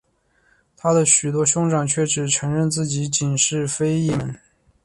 他的许多兄长却只承认自己仅是非裔美国人。